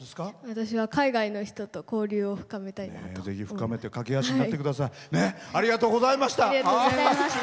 私は海外の人と交流を深めたいです。